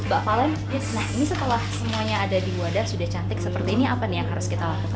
pak colin nah ini setelah semuanya ada di wadah sudah cantik seperti ini apa nih yang harus kita lakukan